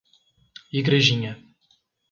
Igrejinha